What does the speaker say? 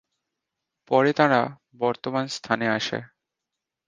পরে তাঁরা বর্তমান স্থানে আসে।